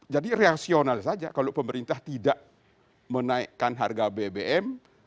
jadi rasional saja kalau pemerintah tidak menaikkan harga bbm